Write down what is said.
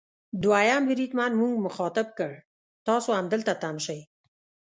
دوهم بریدمن موږ مخاطب کړ: تاسو همدلته تم شئ.